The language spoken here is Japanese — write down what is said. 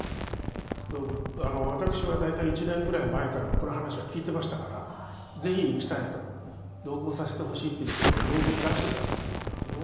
そうすると、私は大体１年ぐらい前からこの話は聞いていましたから、ぜひ行きたいと、同行させてほしいということを要望を出していたんです。